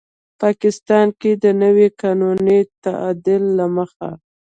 پاکستان کې د نوي قانوني تعدیل له مخې